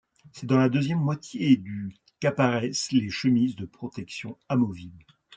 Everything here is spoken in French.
C'est dans la deuxième moitié du qu'apparaissent les chemises de protection amovibles.